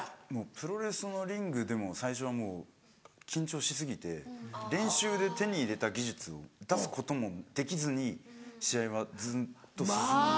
プロレスのリングでも最初はもう緊張し過ぎて練習で手に入れた技術を出すこともできずに試合はずっと進む。